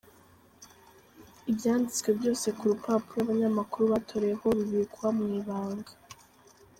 Ibyanditswe byose ku rupaparo abanyamakuru batoreyeho, bibikwa mu ibanga.